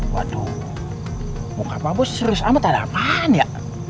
waduh muka pabos serius amat ada apaan ya